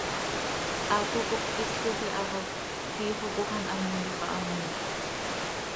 Haaco cop quisil iha xo tiix oo coox an hamoii xah hamiimjöc.